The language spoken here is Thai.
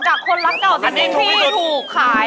จากคนรักเจ้าจริงพี่ถูกขาย